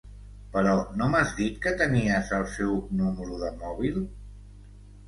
Però no m'has dit que tenies el seu número de mòbil?